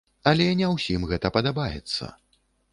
Але не ўсім гэта падабаецца.